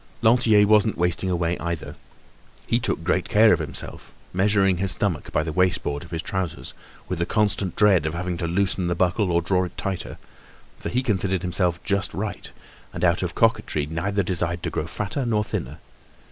Lantier wasn't wasting away either. He took great care of himself, measuring his stomach by the waist band of his trousers, with the constant dread of having to loosen the buckle or draw it tighter; for he considered himself just right, and out of coquetry neither desired to grow fatter nor thinner.